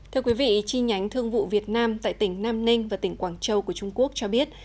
thưa quý vị chi nhánh thương vụ việt nam tại tỉnh nam ninh và tỉnh quảng châu của trung quốc cho biết